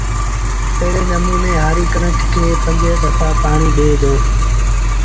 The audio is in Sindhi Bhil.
ايڙي نموٚني هآري ڪڻڪ کي با پنج دڦآ پآڻيٚ ڏي دو